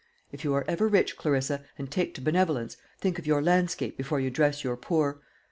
If you are ever rich, Clarissa, and take to benevolence, think of your landscape before you dress your poor.